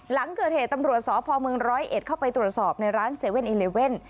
หลังเกิดเหตุตำรวจสอบพอเมืองร้อยเอ็ดเข้าไปตรวจสอบในร้านเซเว่นเอเลเว่น